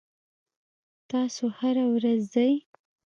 تاسو هره ورځ ځئ؟